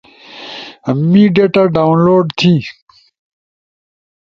می ڈیٹا ڈاونلوڈ تھی